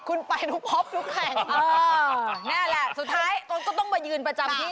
คุณไปทุกพบทุกแห่งเออนี่แหละสุดท้ายตนก็ต้องมายืนประจำที่